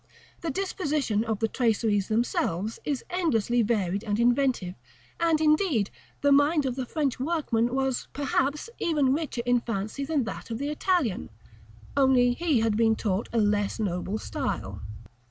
The disposition of the traceries themselves is endlessly varied and inventive; and indeed, the mind of the French workman was, perhaps, even richer in fancy than that of the Italian, only he had been taught a less noble style.